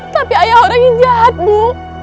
tapi ayah orang yang jahat bu